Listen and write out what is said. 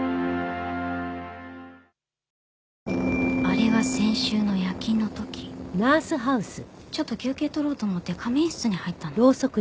あれは先週の夜勤の時ちょっと休憩取ろうと思って仮眠室に入ったの。